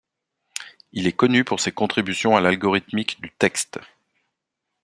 Il est connu pour ses contributions à l'algorithmique du texte.